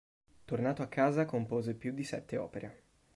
Tornato a casa compose più di sette opere.